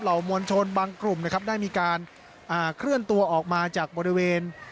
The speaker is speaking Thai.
มวลชนบางกลุ่มนะครับได้มีการเคลื่อนตัวออกมาจากบริเวณ